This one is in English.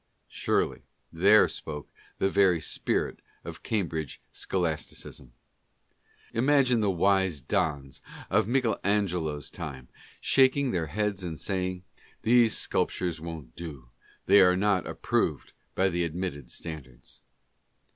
Surely, there spoke the very spirit of Cambridge scholasticism. Imagine the wise dons of Michael Angelo's time shaking their heads and saying, " These sculptures won't do j they are not approved by the admitted standards."